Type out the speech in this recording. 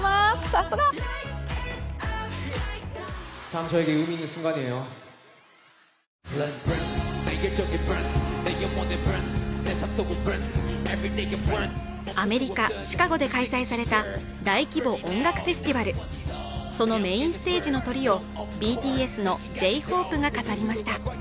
さすが！アメリカ・シカゴで開催された大規模音楽フェスティバルそのメインステージのトリをＢＴＳのＪ−ＨＯＰＥが飾りました。